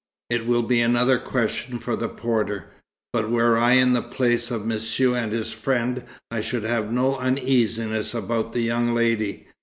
It will be another question for the porter. But were I in the place of Monsieur and his friend, I should have no uneasiness about the young lady.